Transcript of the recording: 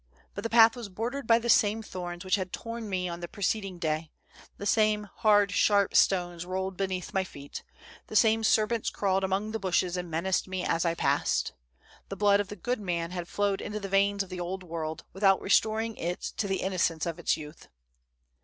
But the path was bordered by the same thorns which had torn me on the preceding day ; the same hard, sharp stones rolled beneath my feet; the same serpents crawled among the bushes and menaced me as I passed. The blood of the good man had flowed into the veins of the old world, without restoring to it the innocence of its youth.